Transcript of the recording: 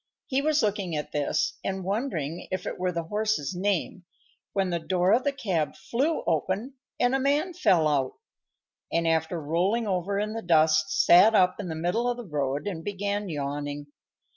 He was looking at this, and wondering if it were the horse's name, when the door of the cab flew open and a man fell out, and, after rolling over in the dust, sat up in the middle of the road and began yawning.